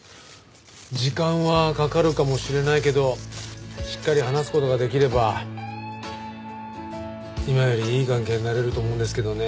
時間はかかるかもしれないけどしっかり話す事ができれば今よりいい関係になれると思うんですけどね。